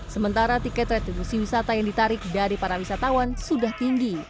sementara tiket retribusi wisata yang ditarik dari para wisatawan sudah tinggi